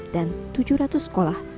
dan tujuh ratus sekolah